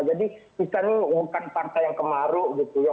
jadi misalnya mengumumkan partai yang kemaru gitu ya